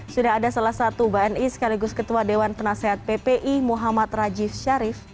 sudah ada salah satu bni sekaligus ketua dewan penasehat ppi muhammad rajif sharif